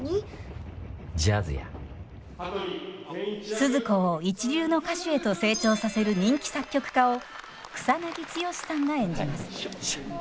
スズ子を一流の歌手へと成長させる人気作曲家を草剛さんが演じます。